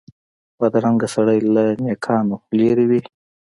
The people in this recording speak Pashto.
بدرنګه سړی له نېکانو لرې وي